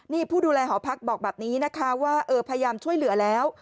นี่ผู้ดูแลหอพักบอกแบบนี้นะคะว่าเออพยายามช่วยเหลือแล้ว